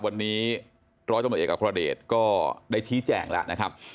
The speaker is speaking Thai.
วันนี้ร้อยตำรวจเอกอัครเดชก็ได้ชี้แจงแล้วนะครับ